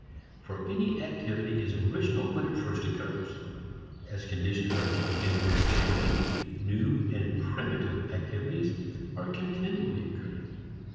For any activity is original when it first occurs. As conditions are continually changing, new and primitive activities are continually occurring.